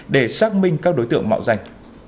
để xác minh các đối tượng mạo giành